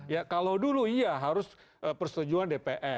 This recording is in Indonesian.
ya kalau dulu iya harus persetujuan dpr